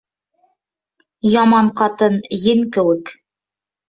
Яман ҡатын ен кеүек.